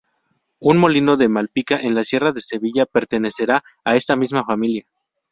Un molino de Malpica en la sierra de Sevilla pertenecerá a esta misma familia.